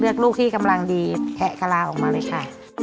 ลูกที่กำลังดีแพะกะลาออกมาเลยค่ะ